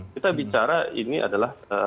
kita bicara ini adalah